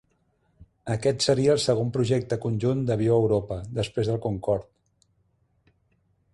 Aquest seria el segon projecte conjunt d'avió a Europa, després del Concorde.